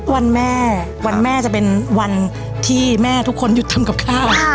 วันแม่วันแม่จะเป็นวันที่แม่ทุกคนหยุดทำกับข้าว